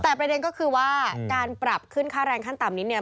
แต่ประเด็นก็คือว่าการปรับขึ้นค่าแรงขั้นต่ำนี้เนี่ย